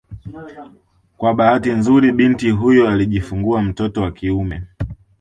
Kwa bahati nzuri binti huyo alijifungua mtoto wa kiume